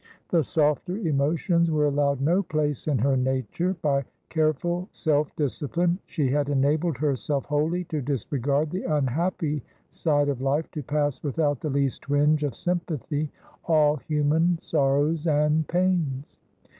The softer emotions were allowed no place in her nature; by careful self discipline, she had enabled herself wholly to disregard the unhappy side of life, to pass without the least twinge of sympathy all human sorrows and pains.